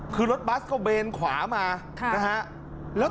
คือรถบัสก็เบนขวามานะฮะ